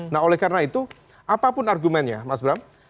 nah oleh karena itu apapun argumennya mas bram